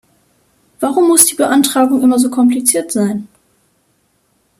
Warum muss die Beantragung immer so kompliziert sein?